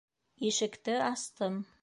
Ишекте астым.